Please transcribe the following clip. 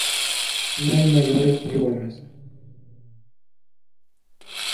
No hay mayores informaciones.